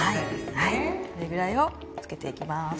はいこれくらいをつけていきます。